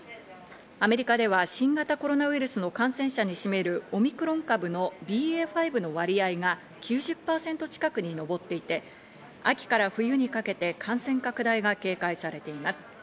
アメリカでは新型コロナウイルスの感染者に占めるオミクロン株のＢＡ．５の割合が９０％近くに上っていて、秋から冬にかけて感染拡大が警戒されています。